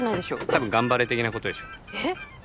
たぶん頑張れ的なことでしょえっ！？